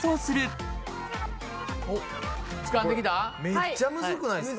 めっちゃムズくないですか。